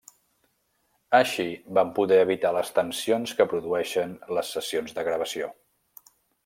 Així van poder evitar les tensions que produeixen les sessions de gravació.